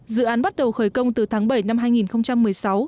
dự án bắt đầu khởi công từ tháng bảy năm hai nghìn một mươi sáu